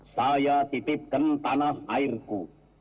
saya titipkan tanah airku